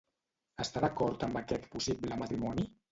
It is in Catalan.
Està d'acord amb aquest possible matrimoni?